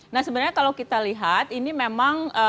nah sebenarnya kalau kita lihat ini memang